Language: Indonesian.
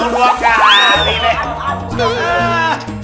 dua kaki nek